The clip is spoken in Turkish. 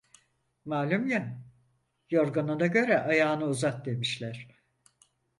Malum ya, yorganına göre ayağını uzat demişler.